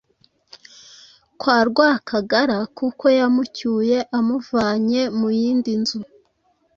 kwa Rwakagara kuko yamucyuye amuvanye mu yindi nzu